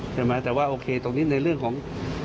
ใช่ไหมแต่ว่าโอเคตรงนี้ในเรื่องของ